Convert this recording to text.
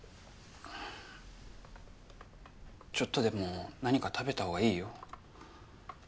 ちょっとでも何か食べた方がいいよ。